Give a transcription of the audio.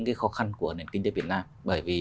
cái khó khăn của nền kinh tế việt nam bởi vì